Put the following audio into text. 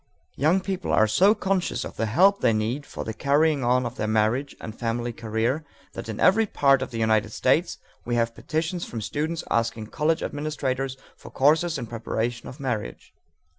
Young people are so conscious of the help they need for the carrying on of their marriage and family career that in every part of the United States we have petitions from students asking college administrators for courses in preparation for marriage.